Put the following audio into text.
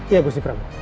iya gusti prabu